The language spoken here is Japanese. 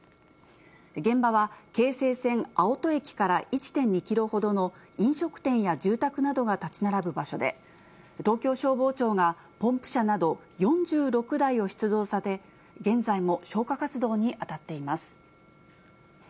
現場は、京成線青砥駅から１．２キロほどの飲食店や住宅などが建ち並ぶ場所で、東京消防庁が、ポンプ車など４６台を出動させ、現在も消火活動に当たっています。